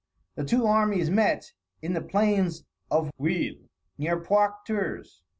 The two armies met in the plains of Vouille, near Poictiers.